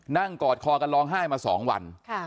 นั่งกอดคอกันร้องไห้มาสองวัน